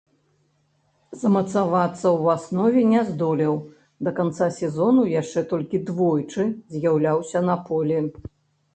Замацавацца ў аснове не здолеў, да канца сезону яшчэ толькі двойчы з'яўляўся на полі.